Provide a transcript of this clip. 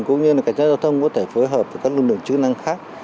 cũng như là cảnh sát giao thông có thể phối hợp với các lực lượng chức năng khác